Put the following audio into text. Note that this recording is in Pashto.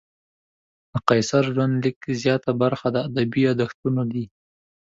د قیصر ژوندلیک زیاته برخه ادبي یادښتونه دي.